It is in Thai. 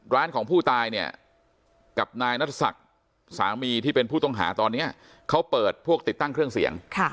ร้านของผู้ตายเนี่ยกับนายนัทศักดิ์สามีที่เป็นผู้ต้องหาตอนนี้เขาเปิดพวกติดตั้งเครื่องเสียง